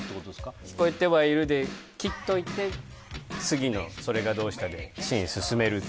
「聞こえてはいる」で切っといて次の「それがどうした」でシーン進める